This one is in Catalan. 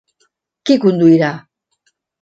Qui conduirà?